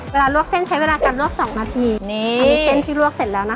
เวลาลวกเส้นใช้เวลาการลวก๒นาทีอันนี้เส้นที่ลวกเสร็จแล้วนะคะ